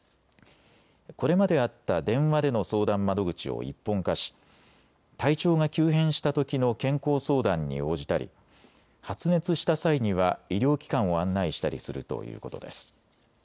これまであった電話での相談窓口を一本化し体調が急変したときの健康相談に応じたり発熱した際には医療機関を案内したりするということです。